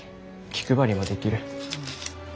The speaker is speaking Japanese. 気配りもできる。